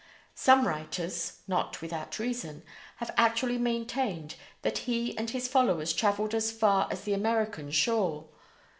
Some writers, not without reason, have actually maintained that he and his followers traveled as far as the American shore.